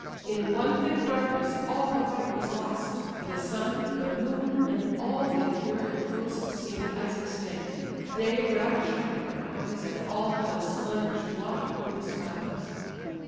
In one thick darkness all the fight was lost; The sun, the moon, and all the ethereal host Seem'd as extinct: day ravish'd from their eyes, And all heaven's splendours blotted from the skies.